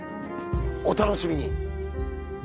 お楽しみに。